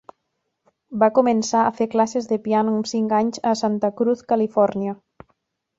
Va començar a fer classes de piano amb cinc anys a Santa Cruz, Califòrnia.